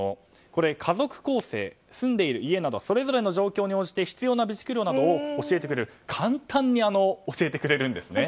これ、家族構成住んでいる家などそれぞれの状況に応じて必要な備蓄量を簡単に教えてくれるんですね。